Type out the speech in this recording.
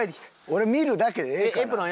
俺見るだけでええから。